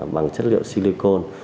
bằng chất liệu silicon